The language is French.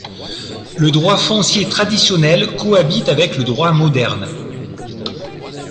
Le droit foncier traditionnel cohabite avec le droit moderne.